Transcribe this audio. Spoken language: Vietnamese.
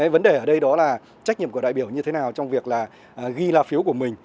vấn đề ở đây đó là trách nhiệm của đại biểu như thế nào trong việc là ghi là phiếu của mình